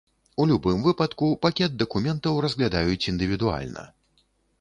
У любым выпадку, пакет дакументаў разглядаюць індывідуальна.